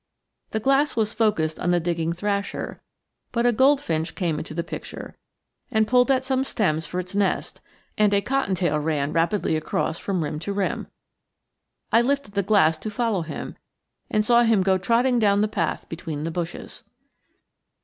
The glass was focused on the digging thrasher, but a goldfinch came into the picture and pulled at some stems for its nest and a cottontail ran rapidly across from rim to rim. I lifted the glass to follow him and saw him go trotting down the path between the bushes.